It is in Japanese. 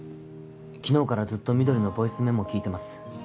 昨日からずっとみどりのボイスメモ聞いてます